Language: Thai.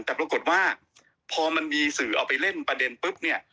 แต่ปรากฏว่าพอมันมีสื่อเอาไปเล่นประเด็นปุ๊บเนี่ย